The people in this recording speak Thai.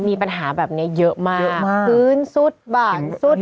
มีปัญหาแบบนี้เยอะมากเยอะมากพื้นสุดบ่าสุด